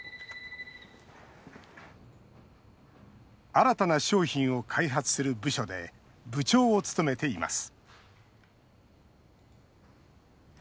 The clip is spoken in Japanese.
新たな商品を開発する部署で部長を務めています